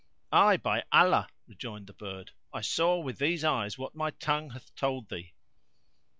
"Ay, by Allah," rejoined the bird, "I saw with these eyes what my tongue hath told thee."